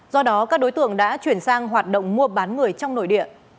do đó các đối tượng đã chuyển sang hoạt động mua bán người trong nội địa